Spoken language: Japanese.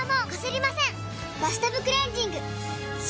「バスタブクレンジング」！